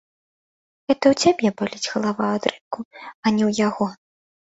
Гэта ў цябе баліць галава ад рынку, а не ў яго.